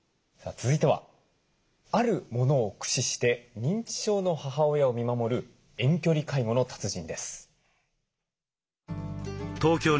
続いてはある物を駆使して認知症の母親を見守る遠距離介護の達人です。